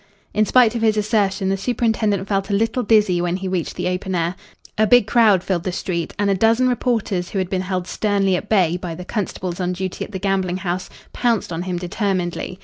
In spite of his assertion the superintendent felt a little dizzy when he reached the open air. A big crowd filled the street, and a dozen reporters who had been held sternly at bay by the constables on duty at the gambling house pounced on him determinedly.